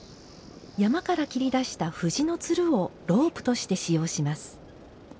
山から切り出した、藤のつるをロープとして使用します。